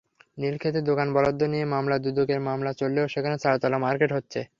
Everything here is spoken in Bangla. নীলক্ষেতে দোকান বরাদ্দ নিয়ে মামলা দুদকে মামলা চললেও সেখানে চারতলা মার্কেট হচ্ছে।